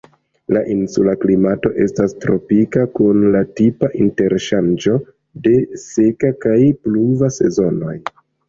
La insula klimato estas tropika, kun la tipa interŝanĝo de seka kaj pluva sezonoj.